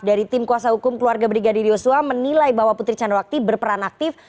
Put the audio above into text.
dari tim kuasa hukum keluarga brigadir yosua menilai bahwa putri candrawati berperan aktif